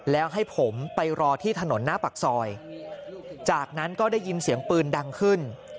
แล้วให้ผมไปรอที่ถนนหน้าปากซอยจากนั้นก็ได้ยินเสียงปืนดังขึ้น